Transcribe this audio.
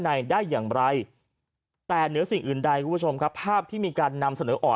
ในได้อย่างไรแต่เหนือสิ่งอื่นใดผ้าที่มีการนำเสนอออก